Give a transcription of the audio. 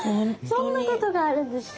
そんなことがあるんですか！